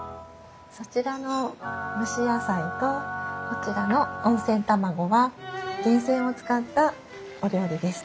そちらの蒸し野菜とこちらの温泉卵は源泉を使ったお料理です。